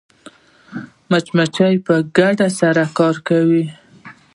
مچمچۍ په ګډه سره کار کوي